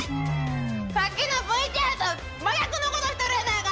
さっきのＶＴＲと真逆のことしとるやないか！